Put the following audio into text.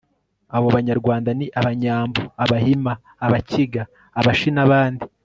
abo banyarwanda ni abanyambo, abahima, abakiga, abashi n'abandi